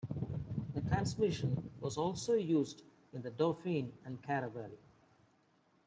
The transmission was also used in the Dauphine and the Caravelle.